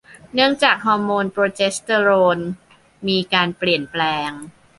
เนื่องจากฮอร์โมนโปรเจสเตอโรนมีการเปลี่ยนแปลง